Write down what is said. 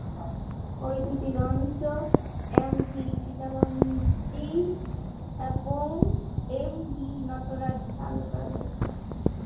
ওই দু’টি launch ‘M V Gitanjali’ এবং ‘এম ভি নটরাজ’ চালু করা হয়েছে।